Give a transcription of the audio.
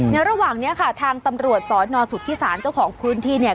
ระหว่างนี้ค่ะทางตำรวจสนสุธิศาลเจ้าของพื้นที่เนี่ย